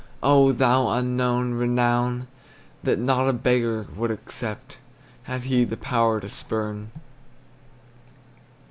Oh, thou unknown renown That not a beggar would accept, Had he the power to spurn!